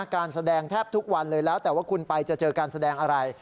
การแสดงแทบทุกวันเลยแล้วแต่ว่าคุณไปจะเจอการแสดงอะไร